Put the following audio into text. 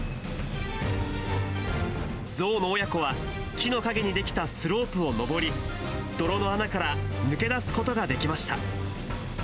ゾウの親子は木の陰に出来たスロープを登り、泥の穴から抜け出すことができました。